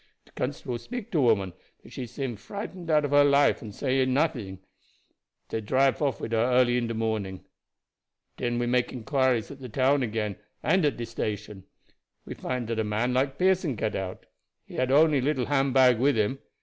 De constable speak to woman, but she seem frightened out of her life and no say anything. Dey drive off wid her early in de morning. Den we make inquiries again at de town and at de station. We find dat a man like Pearson get out. He had only little hand bag with him.